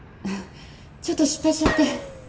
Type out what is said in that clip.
ちょっと失敗しちゃって。